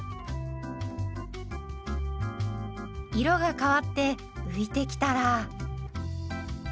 色が変わって浮いてきたら。